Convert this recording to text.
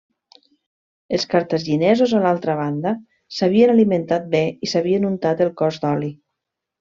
Els cartaginesos a l'altra banda, s'havien alimentat bé i s'havien untat el cos d'oli.